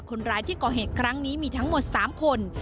คนร้ายที่ก่อเหตุครั้งนี้มีทั้งหมด๓คน